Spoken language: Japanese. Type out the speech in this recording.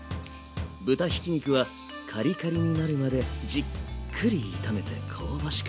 豚ひき肉はカリカリになるまでじっくり炒めて香ばしく。